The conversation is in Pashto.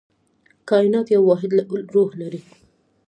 کائنات یو واحد روح لري.